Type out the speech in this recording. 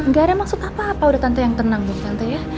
nggak ada maksud apa apa udah tante yang tenang bu tante ya